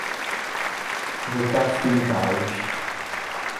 The Casting Couch